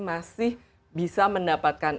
masih bisa mendapatkan